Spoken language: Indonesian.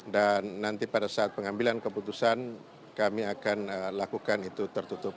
dan nanti pada saat pengambilan keputusan kami akan lakukan itu tertutup